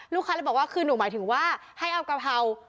ลูกค้าเลยบอกว่าคือหนูหมายถึงว่าให้เอากะเพรา